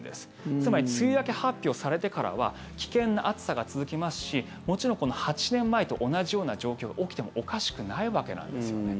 つまり梅雨明け発表されてからは危険な暑さが続きますしもちろん８年前と同じような状況が起きてもおかしくないわけなんですよね。